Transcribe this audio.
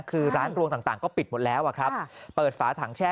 คือร้านรวงต่างก็ปิดหมดแล้วครับเปิดฝาถังแช่